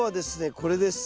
これです。